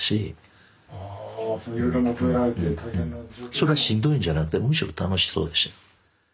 それはしんどいんじゃなくてむしろ楽しそうでしたよ。